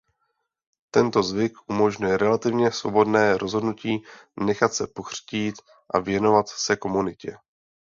Tento zvyk umožňuje relativně svobodné rozhodnutí nechat se pokřtít a věnovat se komunitě.